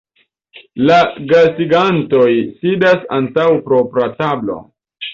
La gastigantoj sidas antaŭ propra tablo.